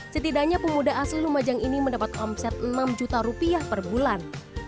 setidaknya pemuda asli lumajang ini mendapat omset enam juta rupiah per bulan